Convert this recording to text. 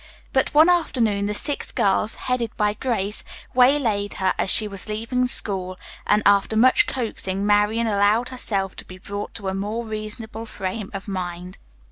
But one afternoon the six girls, headed by Grace, waylaid her as she was leaving the school and after much coaxing Marian allowed herself to be brought to a more reasonable frame of mind.